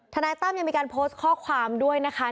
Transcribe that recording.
นายตั้มยังมีการโพสต์ข้อความด้วยนะคะ